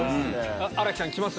新木さん来ます？